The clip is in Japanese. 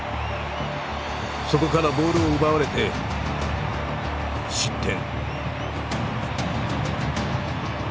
そこからボールを奪われて失点。